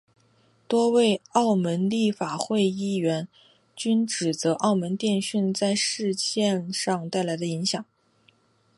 多位澳门立法会议员均指责澳门电讯在事件上带来的影响。